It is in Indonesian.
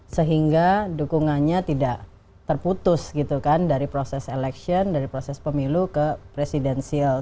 sehingga dukungannya tidak terputus gitu kan dari proses election dari proses pemilu ke presidensial